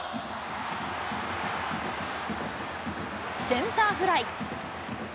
センターフライ。